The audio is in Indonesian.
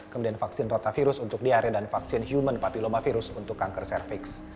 kemudian vaksin rotavirus untuk diare dan vaksin human papilomavirus untuk kanker cervix